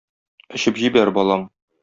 Эчеп җибәр, балам.